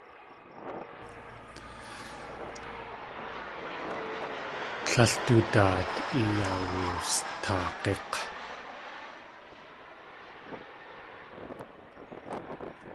Líl du daat iyawustaag̲ík̲!